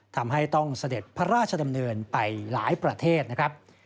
ทำให้ต้องเสด็จพระราชดำเนินไปหลายประเทศนะครับ